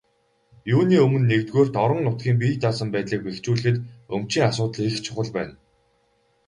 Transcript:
Юуны өмнө, нэгдүгээрт, орон нутгийн бие даасан байдлыг бэхжүүлэхэд өмчийн асуудал их чухал байна.